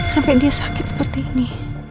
sampai dia sakit seperti ini